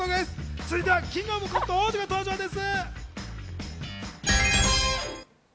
続いては、キングオブコントの王者が登場です。